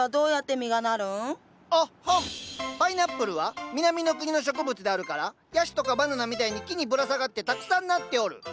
パイナップルは南の国の植物であるからヤシとかバナナみたいに木にぶらさがってたくさんなっておる。